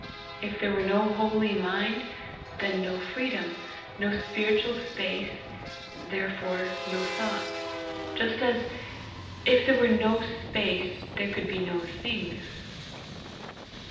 If there were no holy mind, then no freedom, no spiritual space, therefore no thoughts; just as, if there were no space, there could be no things."